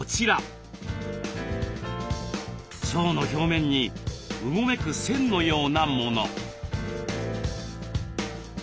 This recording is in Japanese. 腸の表面にうごめく線のようなもの。